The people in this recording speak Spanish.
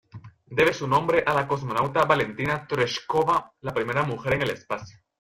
Debe su nombre a la cosmonauta Valentina Tereshkova, la primera mujer en el espacio.